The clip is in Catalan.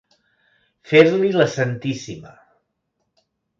Fer-li la santíssima.